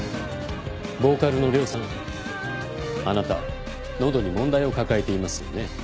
ボーカルのＲＹＯさんあなた喉に問題を抱えていますよね。